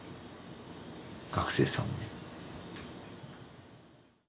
学生さんも？